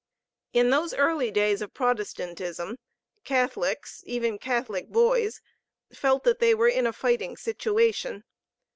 In those early days of Protestantism, Catholics, even Catholic boys, felt that they were in a fighting situation.